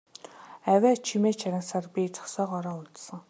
Авиа чимээ чагнасаар би зогсоогоороо унтсан.